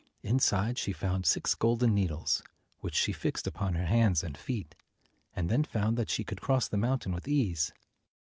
Inside she found six golden needles, which she fixed upon her hands and feet, and then found that she could cross the mountain with ease.